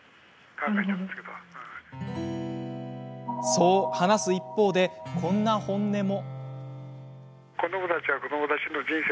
そう話す一方で、こんな本音も。